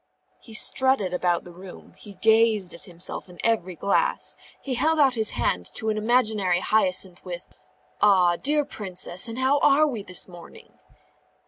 He strutted about the room, he gazed at himself in every glass, he held out his hand to an imaginary Hyacinth with "Ah, dear Princess, and how are we this morning?"